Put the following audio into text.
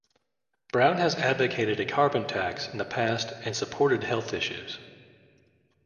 Brown has advocated a carbon tax in the past and supported health issues.